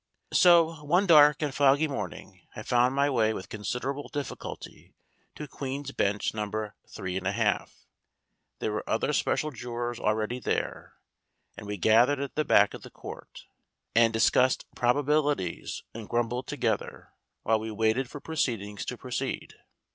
So one dark and foggy morning I found my way with considerable difficulty to Queen's Bench No. 3^2. There were other special jurors already there, and we gathered at the back of the court, and discussed prob abilities, and grumbled together, while we waited for proceedings to proceed.